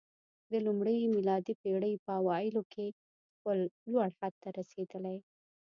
د لومړۍ میلادي پېړۍ په اوایلو کې خپل لوړ حد ته رسېدلی